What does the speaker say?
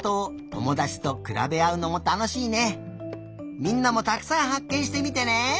みんなもたくさんはっけんしてみてね！